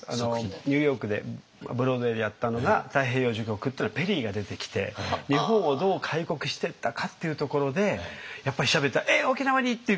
ニューヨークでブロードウェイでやったのが「太平洋序曲」っていうのはペリーが出てきて日本をどう開国していったかっていうところでやっぱり調べたら「えっ沖縄に！」っていう感じで。